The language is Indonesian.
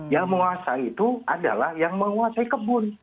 yang menguasai itu adalah yang menguasai kebun